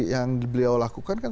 yang beliau lakukan kan